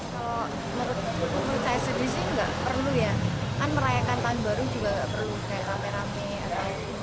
kalau menurut saya sendiri sih nggak perlu ya kan merayakan tahun baru juga nggak perlu kayak rame rame atau